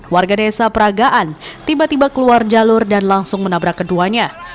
warga desa peragaan tiba tiba keluar jalur dan langsung menabrak keduanya